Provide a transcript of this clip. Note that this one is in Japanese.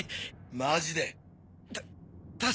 マジで！た